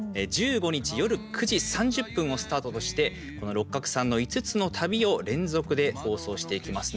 １５日夜９時３０分をスタートとして、この六角さんの５つの旅を連続で放送していきます。